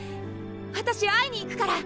私会いに行くから！